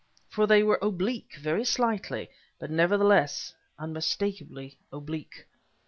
For they were oblique, very slightly, but nevertheless unmistakably oblique.